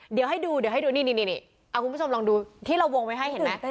เดี๋ยวให้ดูนี่เอาคุณผู้ชมลองดูที่เราวงไว้ให้เห็นไหม